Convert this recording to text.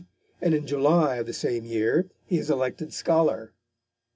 and in July of the same year he is elected scholar.